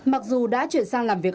mặc dù đã chuyển sang làm việc